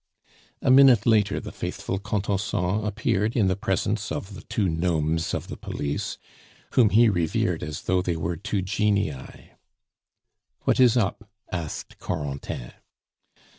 A minute later the faithful Contenson appeared in the presence of the two gnomes of the police, whom he revered as though they were two genii. "What is up?" asked Corentin.